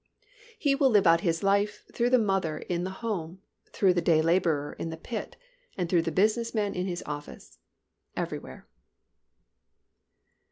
He will live out His life through the mother in the home, through the day labourer in the pit, through the business man in his office—everywhere.